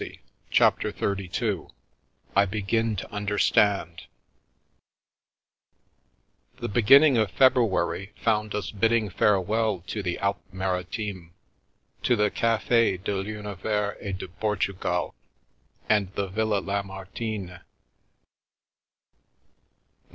But CHAPTER XXXII I BEGIN TO UNDERSTAND THE beginning of February found us bidding fare well to the Alpes Maritimes, to the Caf6 de rUnivers et du Portugal and the Villa Lamartine.